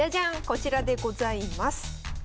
こちらでございます。